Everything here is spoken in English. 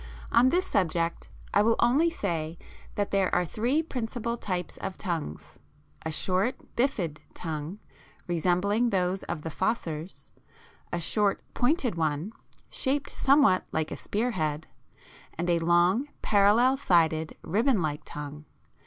On this subject I will only say that there are three principal types of tongues a short bifid tongue (fig. 19, 3), resembling those of the fossors; a short pointed one, shaped somewhat like a spear head (fig. 19, 2, 2a); and a long parallel sided, ribbon like tongue (fig.